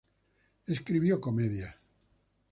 Escribió comedias.